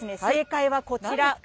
正解はこちら。